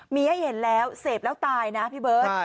มีให้เห็นแล้วเสพแล้วตายนะพี่เบิร์ต